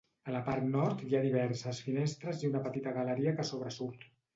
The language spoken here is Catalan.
A la part Nord hi ha diverses finestres i una petita galeria que sobresurt.